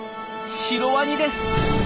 シロワニです。